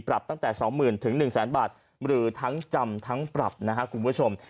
ปรับตั้งแต่๒๐๐๐๑๐๐๐บาทหรือทั้งจำทั้งปรับนะครับคุณผู้ชม